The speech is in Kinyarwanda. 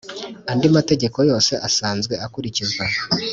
Andi mategeko yose asanzwe akurikizwa